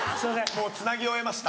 もうつなぎ終えました。